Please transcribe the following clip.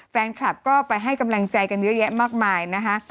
แฟนคลับก็ไปให้กำลังใจกันเยอะแยะมากมายนะคะ